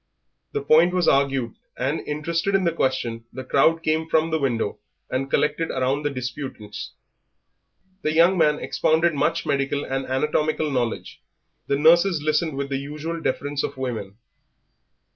The point was argued, and, interested in the question, the crowd came from the window and collected round the disputants. The young man expounded much medical and anatomical knowledge; the nurses listened with the usual deference of women.